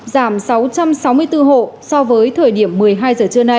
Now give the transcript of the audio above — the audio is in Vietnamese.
giảm sáu trăm sáu mươi bốn hộ so với thời điểm một mươi hai giờ trưa nay